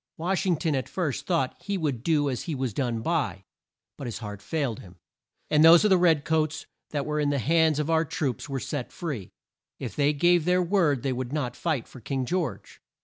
Wash ing ton at first thought he would do as he was done by, but his heart failed him, and those of the red coats that were in the hands of our troops were set free, if they gave their word they would not fight for King George.